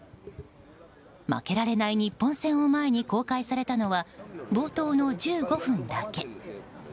負けられない日本戦を前に公開されたのは冒頭の１５分だけ。